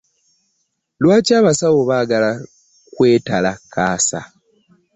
Lwaki abasawo bagala kwetalakasa?